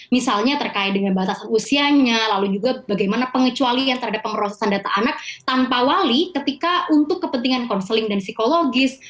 misalnya terkait dengan batasan usianya lalu juga bagaimana pengecualian terhadap pemrosesan data anak tanpa wali ketika untuk kepentingan konseling dan psikologis